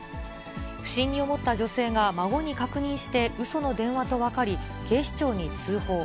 不審に思った女性が孫に確認して、うその電話と分かり、警視庁に通報。